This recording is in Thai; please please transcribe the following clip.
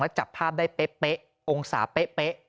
จับภาพได้เป๊ะองศาเป๊ะ